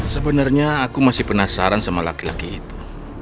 sebenarnya aku masih penasaran sama laki laki itu